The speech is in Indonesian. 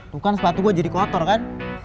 tuh kan sepatu gue jadi kotor kan